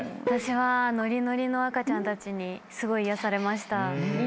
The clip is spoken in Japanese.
私はノリノリの赤ちゃんたちにすごい癒やされました。